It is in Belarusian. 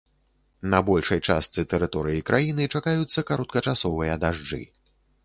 На большай частцы тэрыторыі краіны чакаюцца кароткачасовыя дажджы.